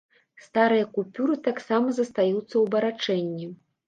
Старыя купюры таксама застаюцца ў абарачэнні.